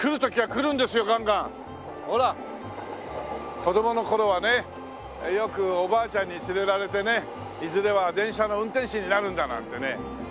子供の頃はねよくおばあちゃんに連れられてねいずれは電車の運転士になるんだなんてね。